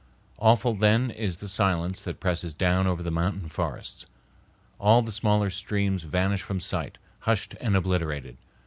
Awful then is the silence that presses down over the mountain forests. All the smaller streams vanish from sight, hushed and obliterated.